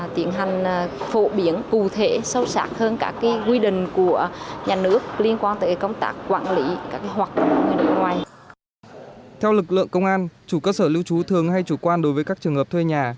theo lực lượng công an chủ cơ sở lưu trú thường hay chủ quan đối với các trường hợp thuê nhà